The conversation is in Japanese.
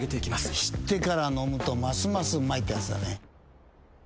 知ってから飲むとますますうまいってやつだね。